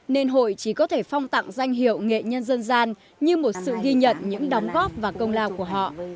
nên hội chỉ có thể phong tặng danh hiệu nghệ nhân dân gian như một sự ghi nhận những đóng góp và công lao của họ